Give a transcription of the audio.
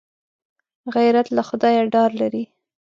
غیرت له خدایه ډار لري